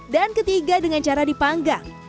dan ketiga dengan cara dipanggang